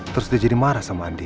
terus dia jadi marah sama andi